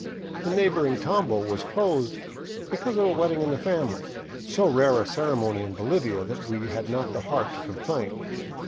The neighboring tambo was closed " because of a wedding in the family," so rare a ceremony in Bolivia that we had not the heart to complain.